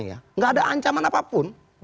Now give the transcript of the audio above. tidak ada ancaman apapun